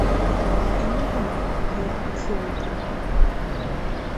Иң мөһиме - ҡыяр үҫеп ултыра!